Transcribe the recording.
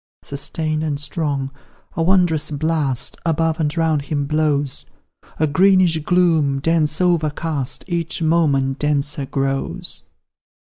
Sustain'd and strong, a wondrous blast Above and round him blows; A greenish gloom, dense overcast, Each moment denser grows.